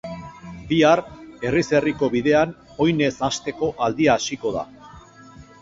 Bihar, herriz herriko bidean oinez hasteko aldia hasiko da.